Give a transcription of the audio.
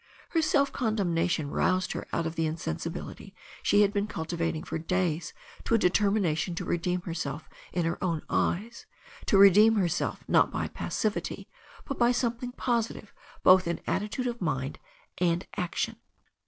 Her self condemnation roused her out of the insensibility she had been cultivating for days to a de termination to redeem herself in her own eyes, to redeem herself not by passivity, but by something positive, both in attitude of mind and action.